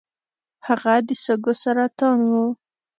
هغه د سږو سرطان و .